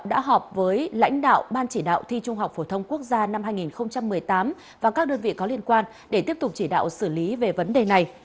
đã họp với lãnh đạo ban chỉ đạo thi trung học phổ thông quốc gia năm hai nghìn một mươi tám và các đơn vị có liên quan để tiếp tục chỉ đạo xử lý về vấn đề này